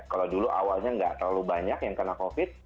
kalau dulu awalnya nggak terlalu banyak yang kena covid